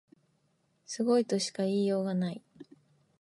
すごいとしか言いようがない